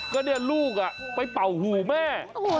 ก็เนี่ยลูกไปเป่าหูแม่